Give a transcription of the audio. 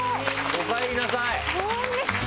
おかえりなさい！